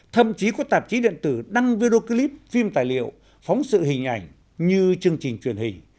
thậm chí có tạp chí điện tử đăng video clip phim tài liệu phóng sự hình ảnh như chương trình truyền hình